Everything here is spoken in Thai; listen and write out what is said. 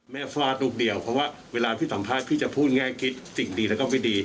ฟาดรูปเดียวเพราะว่าเวลาพี่สัมภาษณ์พี่จะพูดแง่คิดสิ่งดีแล้วก็ไม่ดี